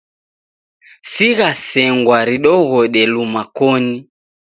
Sigha sengwa ridighode luma koni.